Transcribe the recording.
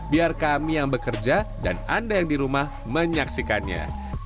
biar kami yang bekerja dan anda yang di rumah menyaksikannya